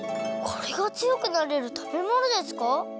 これがつよくなれるたべものですか？